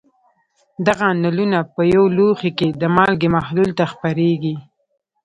دغه نلونه په یو لوښي کې د مالګې محلول ته خپرېږي.